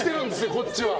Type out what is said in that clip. こっちは。